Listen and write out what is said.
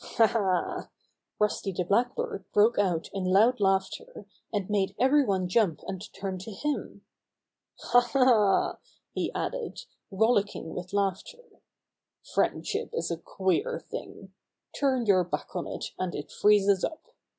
"Hal Ha!" Rusty the Blackbird broke out in loud laughter, and made every one jump and turn to him. "Ha ! Ha !" he added, rollicking with laughter. "Friendship is a queer thing. Turn your back on it, and it freezes up.